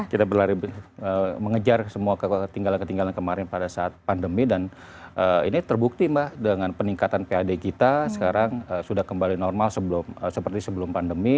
kita berlari mengejar semua ketinggalan ketinggalan kemarin pada saat pandemi dan ini terbukti mbak dengan peningkatan pad kita sekarang sudah kembali normal seperti sebelum pandemi